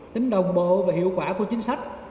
tính đồng bộ và hiệu quả của chính sách